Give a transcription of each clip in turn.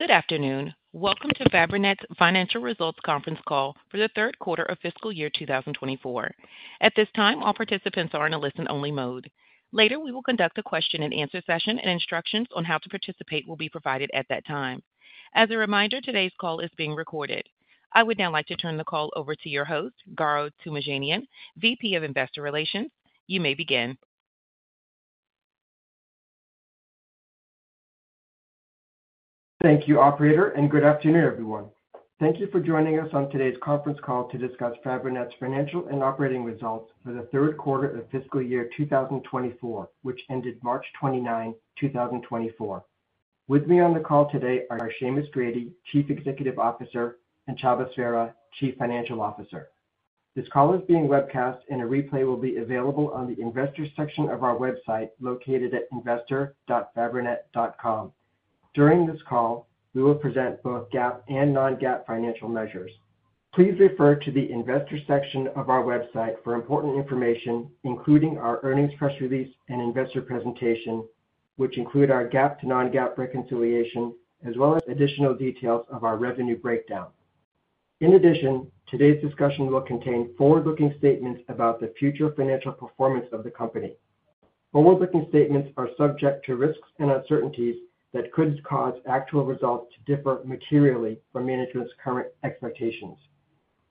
Good afternoon. Welcome to Fabrinet's Financial Results Conference Call for the Third Quarter of Fiscal Year 2024. At this time, all participants are in a listen-only mode. Later, we will conduct a question-and-answer session, and instructions on how to participate will be provided at that time. As a reminder, today's call is being recorded. I would now like to turn the call over to your host, Garo Toomajanian, VP of Investor Relations. You may begin. Thank you, operator, and good afternoon, everyone. Thank you for joining us on today's conference call to discuss Fabrinet's financial and operating results for the third quarter of fiscal year 2024, which ended March 29, 2024. With me on the call today are Seamus Grady, Chief Executive Officer, and Csaba Sverha, Chief Financial Officer. This call is being webcast, and a replay will be available on the investor section of our website, located at investor.fabrinet.com. During this call, we will present both GAAP and non-GAAP financial measures. Please refer to the investor section of our website for important information, including our earnings press release and investor presentation, which include our GAAP to non-GAAP reconciliation, as well as additional details of our revenue breakdown. In addition, today's discussion will contain forward-looking statements about the future financial performance of the company. Forward-looking statements are subject to risks and uncertainties that could cause actual results to differ materially from management's current expectations.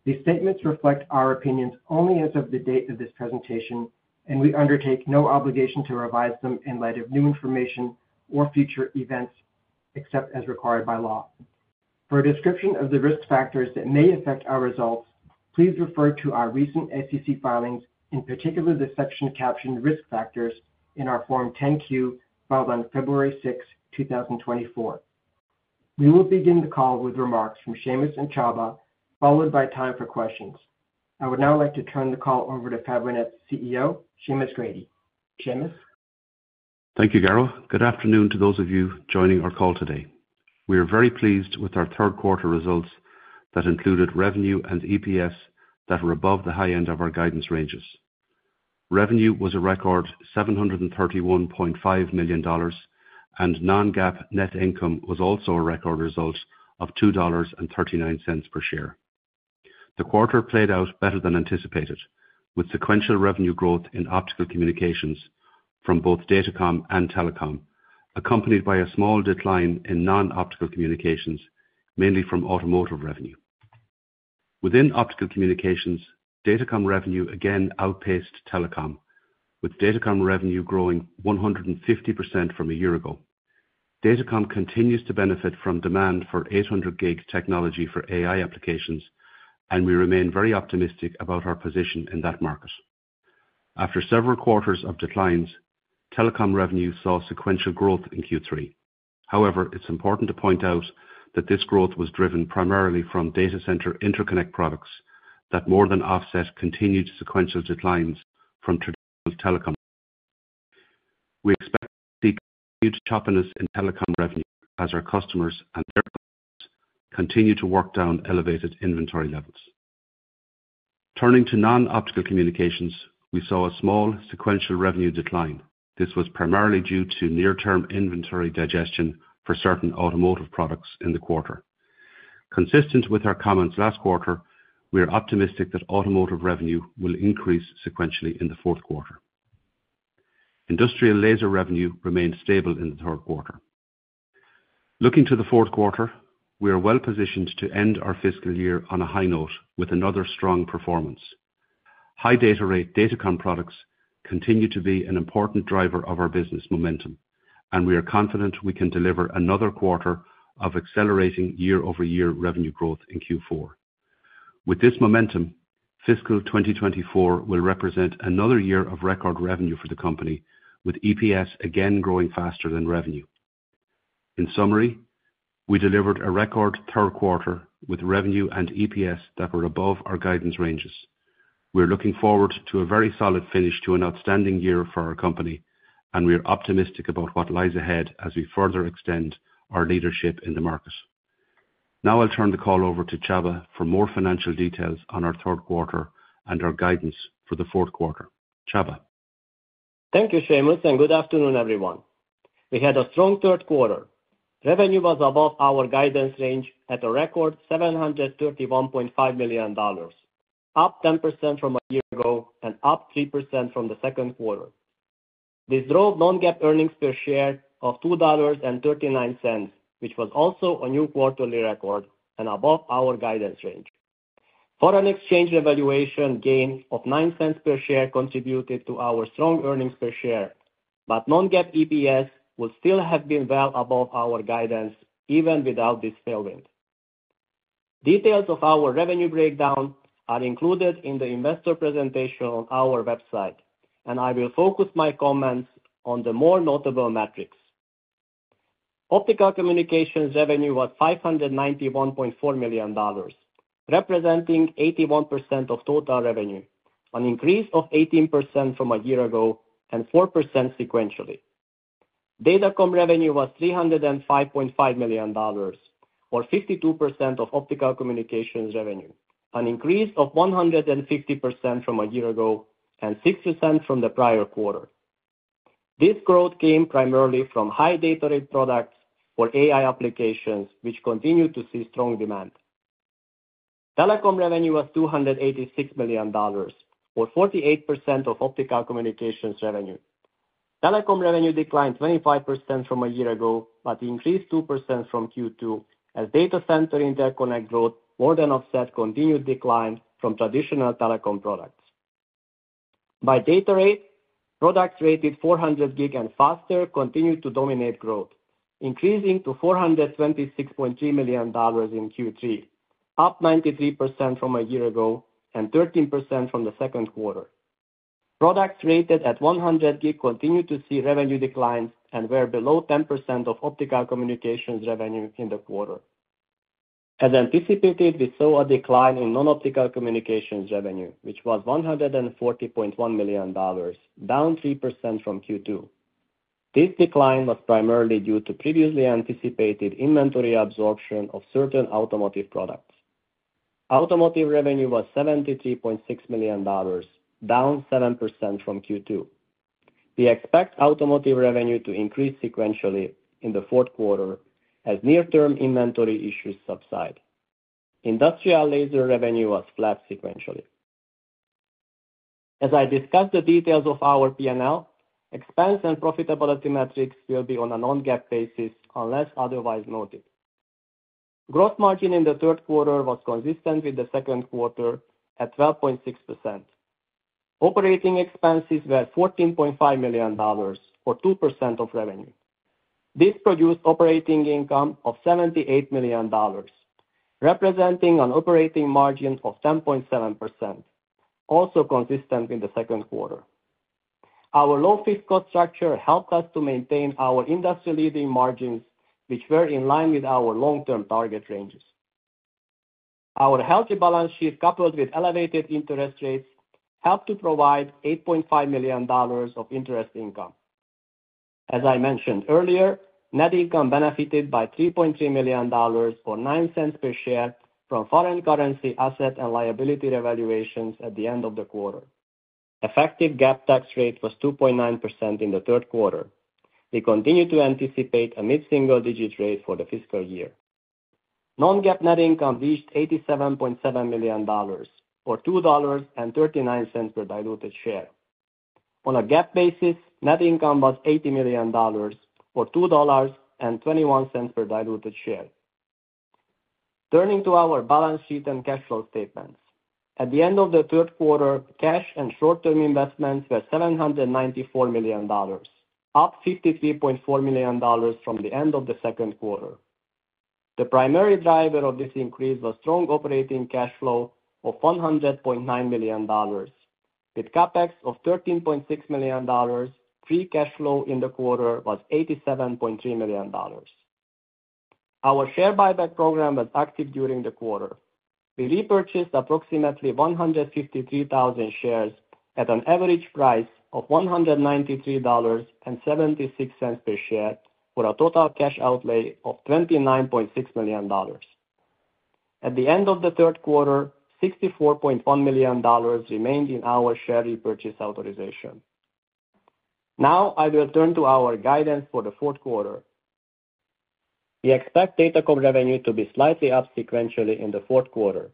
These statements reflect our opinions only as of the date of this presentation, and we undertake no obligation to revise them in light of new information or future events, except as required by law. For a description of the risk factors that may affect our results, please refer to our recent SEC filings, in particular, the section captioned Risk Factors in our Form 10-Q, filed on February 6, 2024. We will begin the call with remarks from Seamus and Csaba, followed by time for questions. I would now like to turn the call over to Fabrinet's CEO, Seamus Grady. Seamus? Thank you, Garo. Good afternoon to those of you joining our call today. We are very pleased with our third quarter results that included revenue and EPS that were above the high end of our guidance ranges. Revenue was a record $731.5 million, and non-GAAP net income was also a record result of $2.39 per share. The quarter played out better than anticipated, with sequential revenue growth in Optical Communications from both Datacom and Telecom, accompanied by a small decline in Non-Optical Communications, mainly from Automotive revenue. Within Optical Communications, Datacom revenue again outpaced Telecom, with Datacom revenue growing 150% from a year ago. Datacom continues to benefit from demand for 800 Gig technology for AI applications, and we remain very optimistic about our position in that market. After several quarters of declines, Telecom revenue saw sequential growth in Q3. However, it's important to point out that this growth was driven primarily from data center interconnect products that more than offset continued sequential declines from traditional Telecom. We expect to see continued choppiness in Telecom revenue as our customers and their customers continue to work down elevated inventory levels. Turning to Non-Optical Communications, we saw a small sequential revenue decline. This was primarily due to near-term inventory digestion for certain Automotive products in the quarter. Consistent with our comments last quarter, we are optimistic that Automotive revenue will increase sequentially in the fourth quarter. Industrial Laser revenue remained stable in the third quarter. Looking to the fourth quarter, we are well positioned to end our fiscal year on a high note with another strong performance. High data rate Datacom products continue to be an important driver of our business momentum, and we are confident we can deliver another quarter of accelerating year-over-year revenue growth in Q4. With this momentum, fiscal 2024 will represent another year of record revenue for the company, with EPS again growing faster than revenue. In summary, we delivered a record third quarter with revenue and EPS that were above our guidance ranges. We are looking forward to a very solid finish to an outstanding year for our company, and we are optimistic about what lies ahead as we further extend our leadership in the market. Now I'll turn the call over to Csaba for more financial details on our third quarter and our guidance for the fourth quarter. Csaba? Thank you, Seamus, and good afternoon, everyone. We had a strong third quarter. Revenue was above our guidance range at a record $731.5 million, up 10% from a year ago and up 3% from the second quarter. This drove non-GAAP earnings per share of $2.39, which was also a new quarterly record and above our guidance range. Foreign exchange valuation gains of $0.09 per share contributed to our strong earnings per share, but non-GAAP EPS would still have been well above our guidance even without this tailwind. Details of our revenue breakdown are included in the investor presentation on our website, and I will focus my comments on the more notable metrics. Optical Communications revenue was $591.4 million, representing 81% of total revenue, an increase of 18% from a year ago and 4% sequentially. Datacom revenue was $305.5 million, or 52% of Optical Communications revenue, an increase of 150% from a year ago and 6% from the prior quarter. This growth came primarily from high data rate products for AI applications, which continue to see strong demand. Telecom revenue was $286 million, or 48% of Optical Communications revenue. Telecom revenue declined 25% from a year ago, but increased 2% from Q2, as data center interconnect growth more than offset continued decline from traditional Telecom products. By data rate, products rated 400 Gig and faster continued to dominate growth, increasing to $426.3 million in Q3, up 93% from a year ago and 13% from the second quarter. Products rated at 100G continued to see revenue declines and were below 10% of Optical Communications revenue in the quarter. As anticipated, we saw a decline in Non-Optical Communications revenue, which was $140.1 million, down 3% from Q2. This decline was primarily due to previously anticipated inventory absorption of certain Automotive products. Automotive revenue was $73.6 million, down 7% from Q2. We expect Automotive revenue to increase sequentially in the fourth quarter as near-term inventory issues subside. Industrial Laser revenue was flat sequentially. As I discuss the details of our P&L, expense and profitability metrics will be on a non-GAAP basis unless otherwise noted. Gross margin in the third quarter was consistent with the second quarter at 12.6%. Operating expenses were $14.5 million, or 2% of revenue. This produced operating income of $78 million, representing an operating margin of 10.7%, also consistent in the second quarter. Our low fixed cost structure helped us to maintain our industry-leading margins, which were in line with our long-term target ranges. Our healthy balance sheet, coupled with elevated interest rates, helped to provide $8.5 million of interest income. As I mentioned earlier, net income benefited by $3.3 million, or $0.09 per share, from foreign currency asset and liability revaluations at the end of the quarter. Effective GAAP tax rate was 2.9% in the third quarter. We continue to anticipate a mid-single-digit rate for the fiscal year. Non-GAAP net income reached $87.7 million, or $2.39 per diluted share. On a GAAP basis, net income was $80 million, or $2.21 per diluted share. Turning to our balance sheet and cash flow statements. At the end of the third quarter, cash and short-term investments were $794 million, up $53.4 million from the end of the second quarter. The primary driver of this increase was strong operating cash flow of $100.9 million. With CapEx of $13.6 million, free cash flow in the quarter was $87.3 million. Our share buyback program was active during the quarter. We repurchased approximately 153,000 shares at an average price of $193.76 per share, for a total cash outlay of $29.6 million. At the end of the third quarter, $64.1 million remained in our share repurchase authorization. Now, I will turn to our guidance for the fourth quarter. We expect Datacom revenue to be slightly up sequentially in the fourth quarter.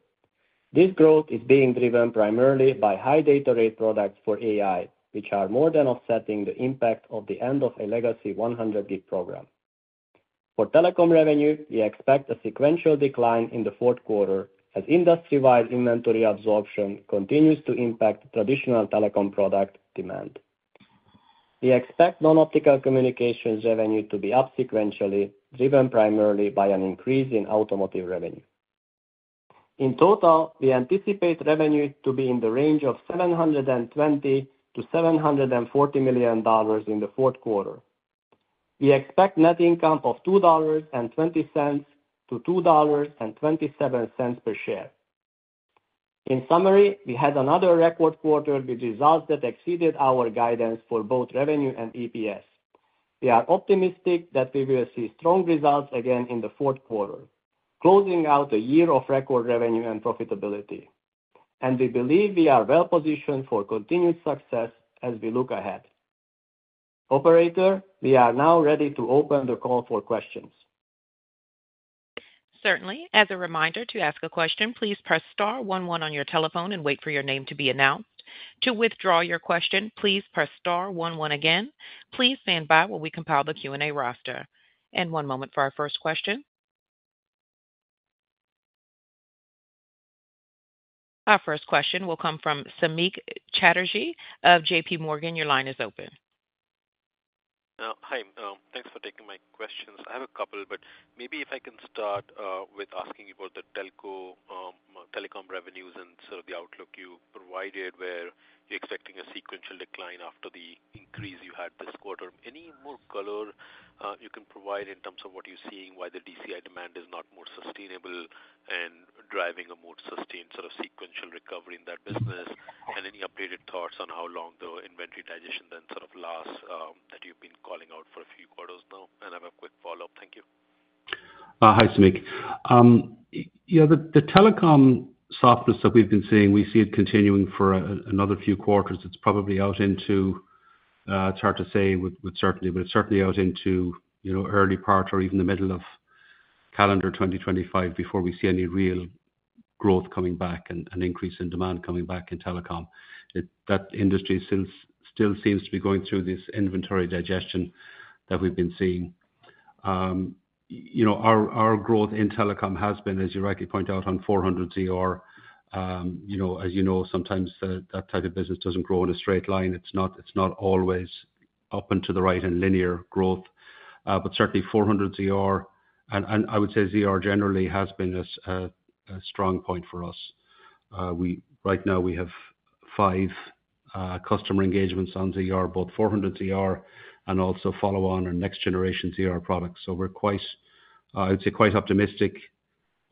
This growth is being driven primarily by high data rate products for AI, which are more than offsetting the impact of the end of a legacy 100G program. For Telecom revenue, we expect a sequential decline in the fourth quarter as industry-wide inventory absorption continues to impact traditional Telecom product demand. We expect Non-Optical Communications revenue to be up sequentially, driven primarily by an increase in Automotive revenue. In total, we anticipate revenue to be in the range of $720 million-$740 million in the fourth quarter. We expect net income of $2.20-$2.27 per share. In summary, we had another record quarter with results that exceeded our guidance for both revenue and EPS. We are optimistic that we will see strong results again in the fourth quarter, closing out a year of record revenue and profitability, and we believe we are well positioned for continued success as we look ahead. Operator, we are now ready to open the call for questions. Certainly. As a reminder, to ask a question, please press star one one on your telephone and wait for your name to be announced. To withdraw your question, please press star one one again. Please stand by while we compile the Q&A roster. One moment for our first question. Our first question will come from Samik Chatterjee of JPMorgan. Your line is open. Hi, thanks for taking my questions. I have a couple, but maybe if I can start with asking you about the telco, Telecom revenues and sort of the outlook you provided, where you're expecting a sequential decline after the increase you had this quarter. Any more color you can provide in terms of what you're seeing, why the DCI demand is not more sustainable and driving a more sustained sort of sequential recovery in that business? And any updated thoughts on how long the inventory digestion then sort of lasts, that you've been calling out for a few quarters now? And I have a quick follow-up. Thank you. Hi, Samik. Yeah, the Telecom softness that we've been seeing, we see it continuing for another few quarters. It's probably out into, it's hard to say with certainty, but it's certainly out into, you know, early part or even the middle of calendar 2025 before we see any real growth coming back and increase in demand coming back in Telecom. That industry still seems to be going through this inventory digestion that we've been seeing. You know, our growth in Telecom has been, as you rightly point out, on 400ZR. You know, as you know, sometimes that type of business doesn't grow in a straight line. It's not always up and to the right and linear growth. But certainly 400ZR, and I would say ZR generally has been a strong point for us. Right now, we have 5 customer engagements on ZR, both 400ZR and also follow on our next generation ZR products. So we're quite, I would say quite optimistic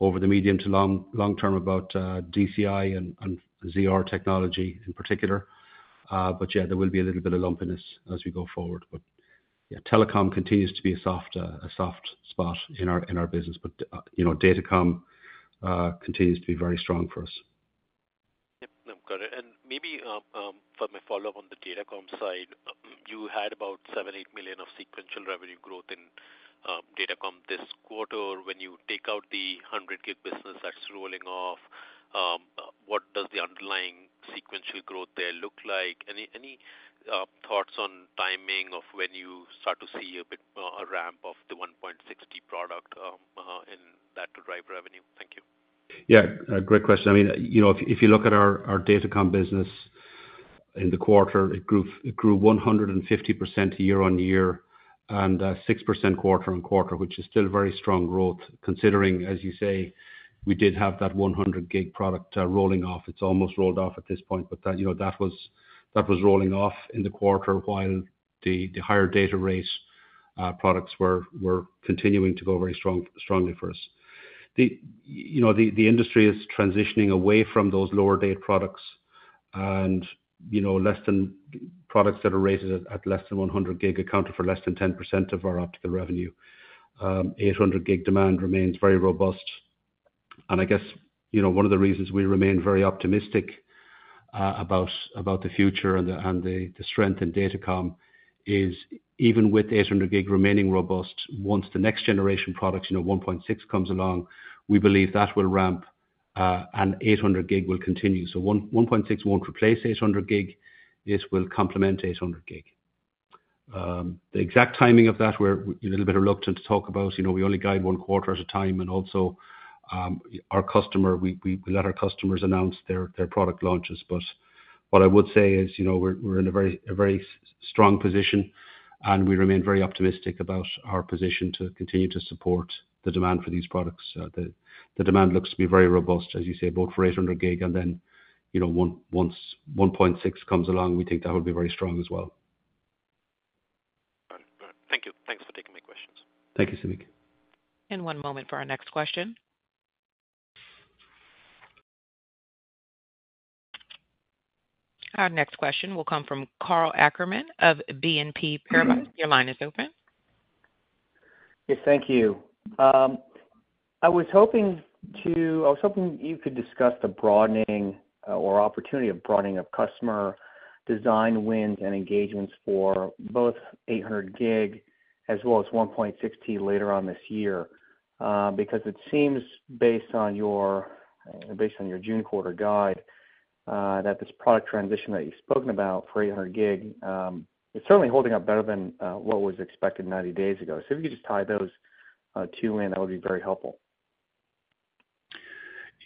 over the medium to long term about DCI and ZR technology in particular. But yeah, there will be a little bit of lumpiness as we go forward. But yeah, Telecom continues to be a soft spot in our business. But you know, Datacom continues to be very strong for us. Yep, no, got it. And maybe for my follow-up on the Datacom side, you had about $7 million-$8 million of sequential revenue growth in Datacom this quarter. When you take out the 100G business that's rolling off, what does the underlying sequential growth there look like? Any thoughts on timing of when you start to see a bit, a ramp of the 1.6T product, and that to drive revenue? Thank you. Yeah, great question. I mean, you know, if you look at our Datacom business in the quarter, it grew 150% year-over-year and 6% quarter-over-quarter, which is still very strong growth, considering, as you say, we did have that 100G product rolling off. It's almost rolled off at this point, but that, you know, that was rolling off in the quarter, while the higher data rates products were continuing to go very strongly for us. You know, the industry is transitioning away from those lower data products and, you know, products that are rated at less than 100G accounted for less than 10% of our Optical revenue. 800 Gig demand remains very robust, and I guess, you know, one of the reasons we remain very optimistic about the future and the strength in Datacom is even with 800 Gig remaining robust, once the next generation products, you know, 1.6 comes along, we believe that will ramp and 800 Gig will continue. So 1.6T won't replace 800 Gig; it will complement 800 Gig. The exact timing of that we're a little bit reluctant to talk about. You know, we only guide one quarter at a time, and also, our customer. We let our customers announce their product launches. But what I would say is, you know, we're, we're in a very, a very strong position, and we remain very optimistic about our position to continue to support the demand for these products. The demand looks to be very robust, as you say, both for 800 Gig and then, you know, once 1.6T comes along, we think that will be very strong as well. Got it. Got it. Thank you. Thanks for taking my questions. Thank you, Samik. One moment for our next question. Our next question will come from Karl Ackerman of BNP Paribas. Your line is open. Yes, thank you. I was hoping to... I was hoping you could discuss the broadening, or opportunity of broadening of customer design wins and engagements for both 800 Gig as well as 1.6T later on this year. Because it seems, based on your, based on your June quarter guide, that this product transition that you've spoken about for 800 Gig, is certainly holding up better than, what was expected 90 days ago. So if you could just tie those, two in, that would be very helpful.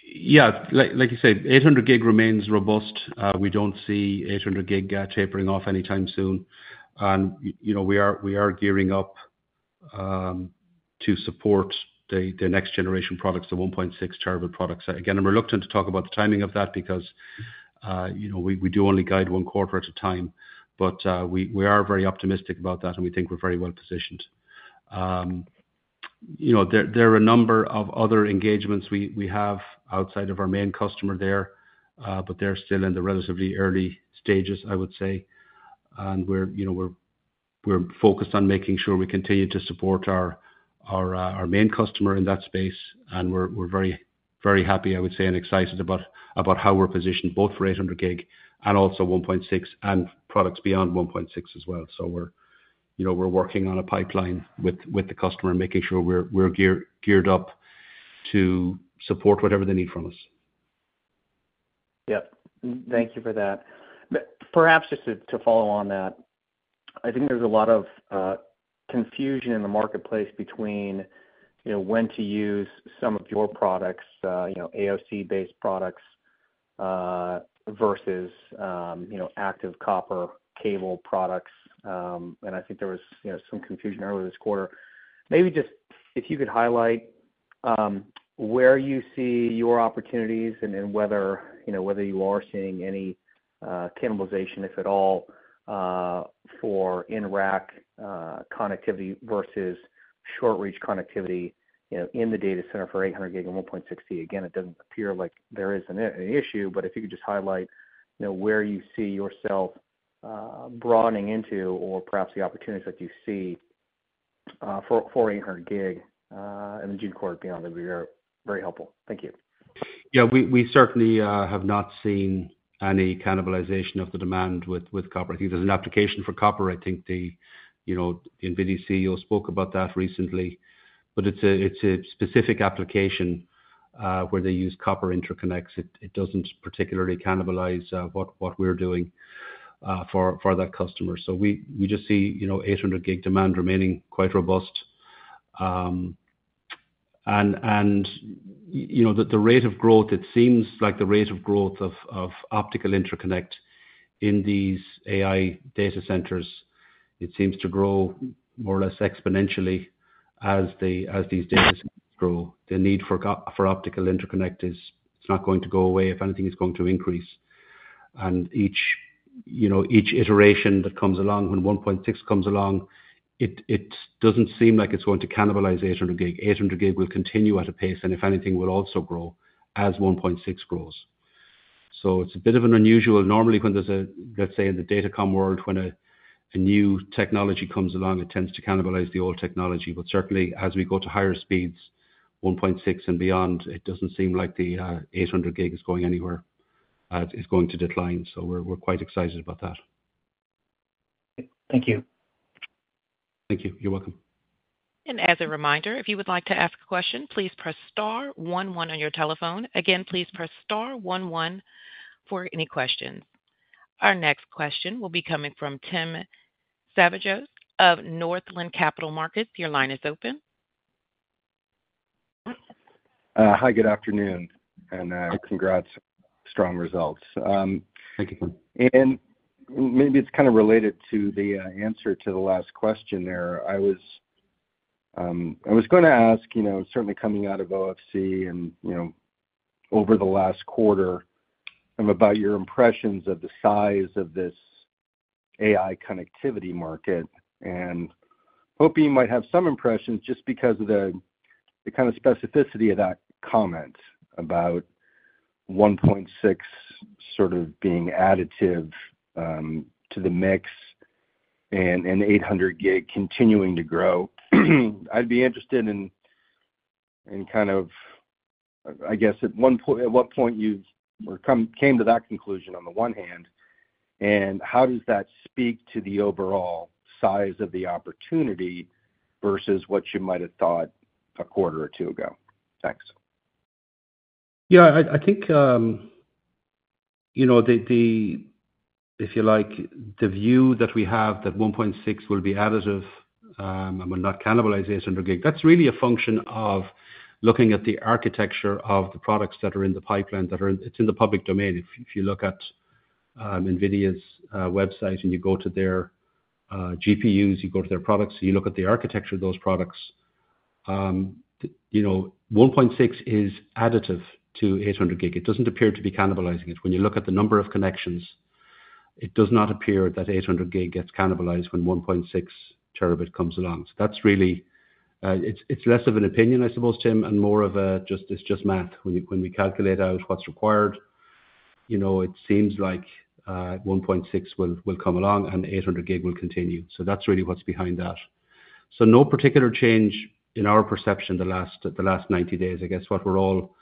Yeah. Like you said, 800 Gig remains robust. We don't see 800 Gig tapering off anytime soon. You know, we are gearing up to support the next generation products, the 1.6T products. Again, I'm reluctant to talk about the timing of that because you know, we do only guide one quarter at a time, but we are very optimistic about that, and we think we're very well positioned. You know, there are a number of other engagements we have outside of our main customer there, but they're still in the relatively early stages, I would say. We're, you know, focused on making sure we continue to support our main customer in that space, and we're very, very happy, I would say, and excited about how we're positioned, both for 800 Gig and also 1.6T, and products beyond 1.6T as well. So we're, you know, working on a pipeline with the customer, making sure we're geared up to support whatever they need from us. Yep. Thank you for that. But perhaps just to follow on that, I think there's a lot of confusion in the marketplace between, you know, when to use some of your products, you know, AOC-based products, versus, you know, active copper cable products. And I think there was, you know, some confusion earlier this quarter. Maybe just if you could highlight, where you see your opportunities and, and whether, you know, whether you are seeing any, cannibalization, if at all, for in-rack, connectivity versus short-range connectivity, you know, in the data center for 800 Gig and 1.6T. Again, it doesn't appear like there is an issue, but if you could just highlight, you know, where you see yourself?... Broadening into or perhaps the opportunities that you see for 800 Gig in the June quarter. That would be very helpful. Thank you. Yeah, we certainly have not seen any cannibalization of the demand with copper. I think there's an application for copper. I think you know, NVIDIA CEO spoke about that recently, but it's a specific application where they use copper interconnects. It doesn't particularly cannibalize what we're doing for that customer. So we just see, you know, 800 Gig demand remaining quite robust. And you know, the rate of growth, it seems like the rate of growth of Optical interconnect in these AI data centers, it seems to grow more or less exponentially as these data centers grow. The need for Optical interconnect is it's not going to go away. If anything, it's going to increase. Each, you know, each iteration that comes along, when 1.6T comes along, it doesn't seem like it's going to cannibalize 800 Gig. 800 Gig will continue at a pace, and if anything, will also grow as 1.6 grows. So it's a bit of an unusual... Normally, when there's a, let's say, in the Datacom world, when a new technology comes along, it tends to cannibalize the old technology. But certainly, as we go to higher speeds, 1.6T and beyond, it doesn't seem like the 800 Gig is going anywhere, is going to decline. So we're quite excited about that. Thank you. Thank you. You're welcome. As a reminder, if you would like to ask a question, please press star one one on your telephone. Again, please press star one one for any questions. Our next question will be coming from Tim Savageaux of Northland Capital Markets. Your line is open. Hi, good afternoon, and congrats. Strong results. Thank you. And maybe it's kind of related to the answer to the last question there. I was gonna ask, you know, certainly coming out of OFC and, you know, over the last quarter, about your impressions of the size of this AI connectivity market, and hoping you might have some impressions just because of the kind of specificity of that comment about 1.6 sort of being additive to the mix and eight hundred Gig continuing to grow. I'd be interested in kind of, I guess, at one point—at what point you came to that conclusion on the one hand, and how does that speak to the overall size of the opportunity versus what you might have thought a quarter or two ago? Thanks. Yeah, I think, you know, if you like, the view that we have, that 1.6T will be additive, and will not cannibalize 800 Gig, that's really a function of looking at the architecture of the products that are in the pipeline. It's in the public domain. If you look at NVIDIA's website and you go to their GPUs, you go to their products, you look at the architecture of those products, you know, 1.6 is additive to 800 Gig. It doesn't appear to be cannibalizing it. When you look at the number of connections, it does not appear that 800 Gig gets cannibalized when 1.6T comes along. So that's really, it's less of an opinion, I suppose, Tim, and more of a just, it's just math. When we calculate out what's required, you know, it seems like 1.6T will come along, and 800 Gig will continue. So that's really what's behind that. So no particular change in our perception the last 90 days. I guess what we're all,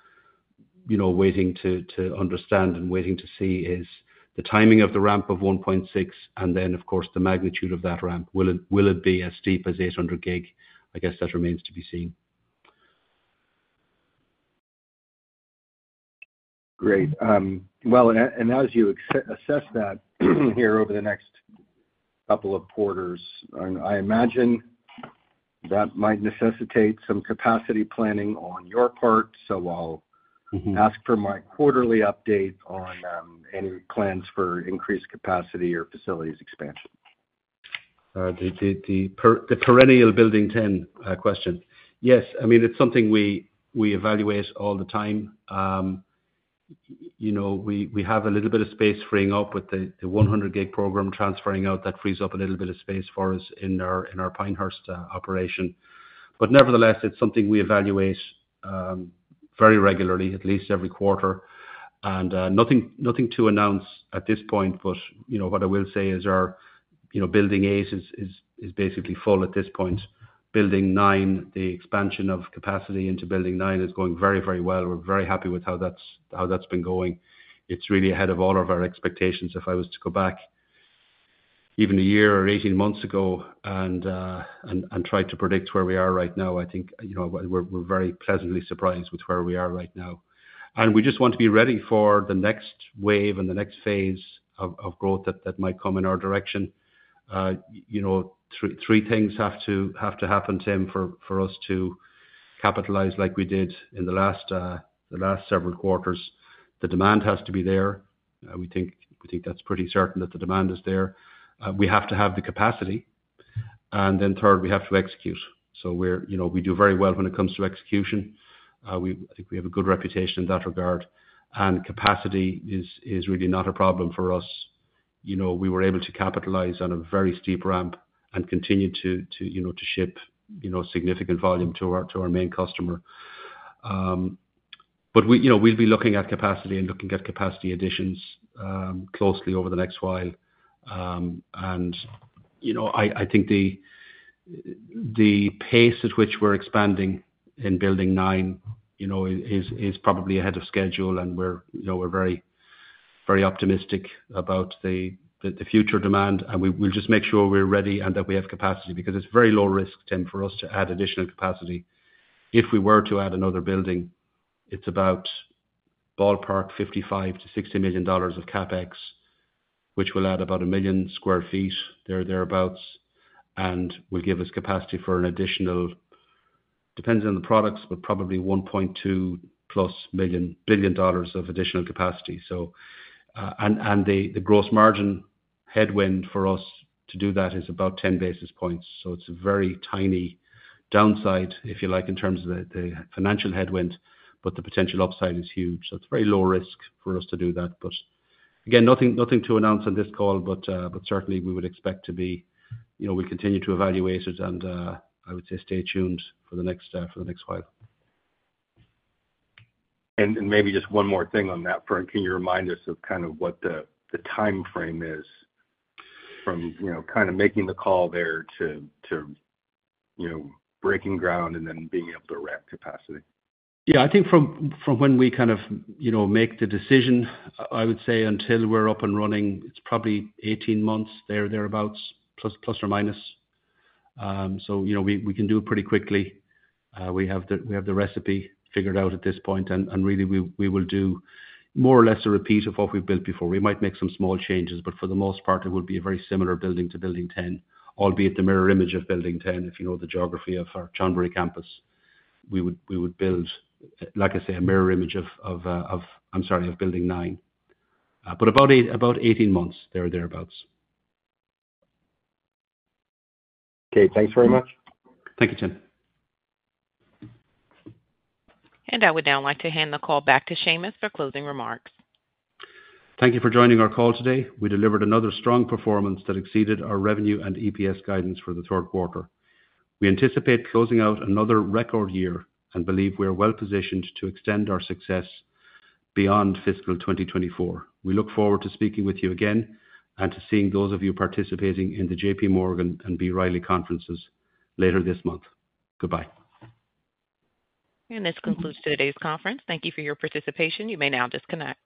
you know, waiting to understand and waiting to see is the timing of the ramp of 1.6, and then, of course, the magnitude of that ramp. Will it be as steep as 800 Gig? I guess that remains to be seen. Great. Well, and as you assess that here over the next couple of quarters, and I imagine that might necessitate some capacity planning on your part. So I'll- Mm-hmm. Ask for my quarterly update on any plans for increased capacity or facilities expansion. The perennial Building 10 question. Yes, I mean, it's something we evaluate all the time. You know, we have a little bit of space freeing up with the 100G program transferring out. That frees up a little bit of space for us in our Pinehurst operation. But nevertheless, it's something we evaluate very regularly, at least every quarter, and nothing to announce at this point. But you know, what I will say is our Building 8 is basically full at this point. Building 9, the expansion of capacity into Building 9 is going very, very well. We're very happy with how that's been going. It's really ahead of all of our expectations. If I was to go back even a year or 18 months ago and try to predict where we are right now, I think, you know, we're very pleasantly surprised with where we are right now. We just want to be ready for the next wave and the next phase of growth that might come in our direction. You know, three things have to happen, Tim, for us to capitalize like we did in the last several quarters. The demand has to be there. We think that's pretty certain that the demand is there. We have to have the capacity, and then third, we have to execute. So we're... You know, we do very well when it comes to execution. We, I think we have a good reputation in that regard, and capacity is really not a problem for us. You know, we were able to capitalize on a very steep ramp and continue to, to, you know, to ship, you know, significant volume to our, to our main customer. But we, you know, we'll be looking at capacity and looking at capacity additions closely over the next while. And, you know, I, I think the, the pace at which we're expanding in building nine, you know, is, is probably ahead of schedule, and we're, you know, we're very, very optimistic about the, the, the future demand. And we, we'll just make sure we're ready and that we have capacity, because it's very low risk, Tim, for us to add additional capacity. If we were to add another building, it's about ballpark $55 million-$60 million of CapEx, which will add about 1 million sq ft, there or thereabouts, and will give us capacity for an additional... Depends on the products, but probably $1.2 billion of additional capacity. So, and the gross margin headwind for us to do that is about 10 basis points. So it's a very tiny downside, if you like, in terms of the financial headwind, but the potential upside is huge. So it's very low risk for us to do that. But again, nothing, nothing to announce on this call, but certainly we would expect to be, you know, we continue to evaluate it, and I would say stay tuned for the next, for the next while. Maybe just one more thing on that, front. Can you remind us of kind of what the timeframe is from, you know, kind of making the call there to, you know, breaking ground and then being able to ramp capacity? Yeah, I think from when we kind of, you know, make the decision, I would say until we're up and running, it's probably 18 months, there or thereabouts, plus or minus. So, you know, we can do it pretty quickly. We have the recipe figured out at this point, and really, we will do more or less a repeat of what we've built before. We might make some small changes, but for the most part, it would be a very similar building to Building 10, albeit the mirror image of Building 10. If you know the geography of our Chonburi campus, we would build, like I say, a mirror image of... I'm sorry, of Building 9. But about 18 months, there or thereabouts. Okay, thanks very much. Thank you, Tim. I would now like to hand the call back to Seamus for closing remarks. Thank you for joining our call today. We delivered another strong performance that exceeded our revenue and EPS guidance for the third quarter. We anticipate closing out another record year and believe we are well positioned to extend our success beyond fiscal 2024. We look forward to speaking with you again and to seeing those of you participating in the JPMorgan and B. Riley conferences later this month. Goodbye. This concludes today's conference. Thank you for your participation. You may now disconnect.